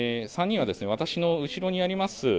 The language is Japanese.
３人は私の後ろにあります